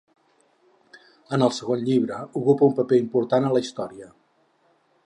En el segon llibre ocupa un paper important a la història.